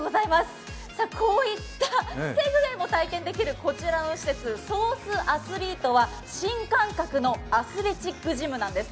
こういったセグウェイも体験できるこちらの施設、ＳＯＳＵＡＴＨＬＥＴＥは新感覚のアスレチックジムなんです。